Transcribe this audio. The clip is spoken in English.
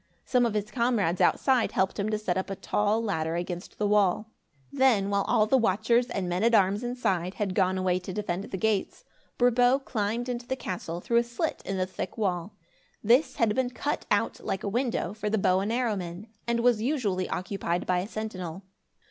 Some of his comrades outside helped him to set up a tall ladder against the wall. Then, while all the watchers and men at arms inside, had gone away to defend the gates, Brabo climbed into the castle, through a slit in the thick wall. This had been cut out, like a window, for the bow and arrow men, and was usually occupied by a sentinel.